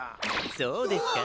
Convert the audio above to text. そうですか？